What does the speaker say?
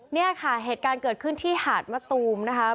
เนี่ยค่ะเหตุการณ์เกิดขึ้นที่หาดมะตูมนะคะ